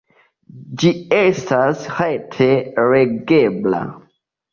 Ĝi estas rete legebla.